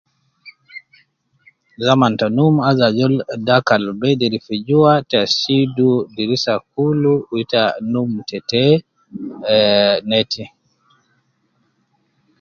Zaman ta num aju azol dakal bedir fi jua, ta sidu dirisa kulu, wu ita num tete, ehh neti